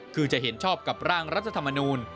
คือจะเห็นชอบกับร่างรัฐธรรมนูล